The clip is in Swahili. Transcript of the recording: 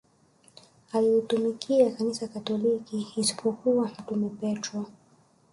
alilitumikia kanisa katoliki isipokuwa mtume petro